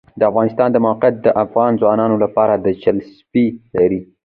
د افغانستان د موقعیت د افغان ځوانانو لپاره دلچسپي لري.